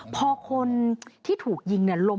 พอคนที่ถูกยิงแน่นที่เขาทำเขาไม่ได้ยิงแน่นทีนี่แหละ